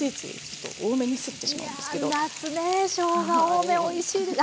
夏ねしょうが多めおいしいです。